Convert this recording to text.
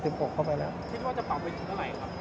คิดว่าจะเป่าไปถึงเวลาไหร่ครับ